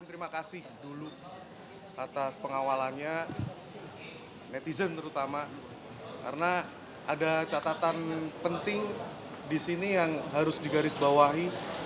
terima kasih dulu atas pengawalannya netizen terutama karena ada catatan penting di sini yang harus digarisbawahi